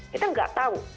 kita nggak tahu